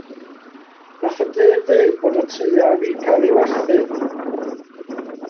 Nath y dyn ddeud bod y tŷ ar fin cael 'i werthu.